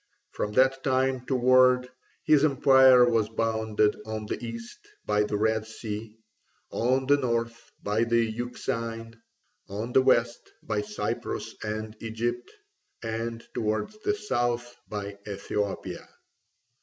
From that time forward his empire was bounded on the east by the Red Sea, on the north by the Euxine, on the west by Cyprus and Egypt, and towards the south by Ethiopia.